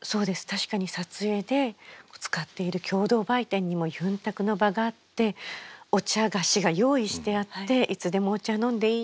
確かに撮影で使っている共同売店にもゆんたくの場があってお茶菓子が用意してあっていつでもお茶飲んでいいよ